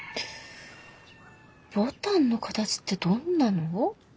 牡丹の形ってどんなの？